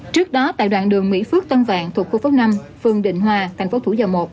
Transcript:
trước đó tại đoạn đường mỹ phước tân vạn thuộc khu phố năm phường định hòa thành phố thủ dầu một